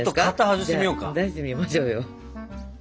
出してみましょうよ。